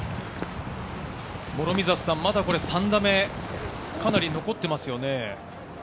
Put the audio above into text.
諸見里さん、まだ３打目、かなり残っていますよね。